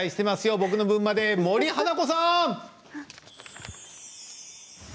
僕の分まで、森花子さん！